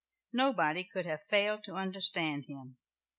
Nobody could have failed to understand him.